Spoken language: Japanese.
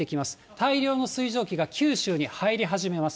大量の水蒸気が九州に入り始めます。